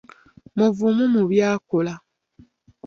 Muvumu mu by’akola